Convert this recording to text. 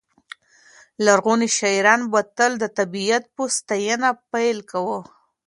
لرغوني شاعران به تل د طبیعت په ستاینه پیل کاوه.